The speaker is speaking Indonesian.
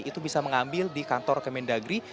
itu bisa mengambil di kantor kementerian dalam negeri